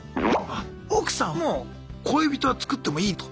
あ奥さんも「恋人は作ってもいい」と。